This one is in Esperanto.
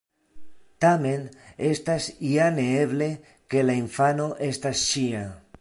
Tamen, estas ja neeble, ke la infano estas ŝia.